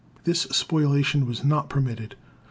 This spoliation was not permitted.